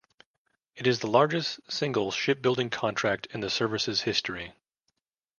It is the largest single shipbuilding contract in the service's history.